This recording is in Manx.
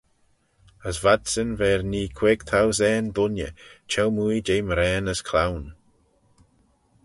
As v'adsyn v'er nee queig thousane dooinney, çheu-mooie jeh mraane as cloan.